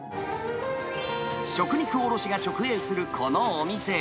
食肉卸が直営するこのお店。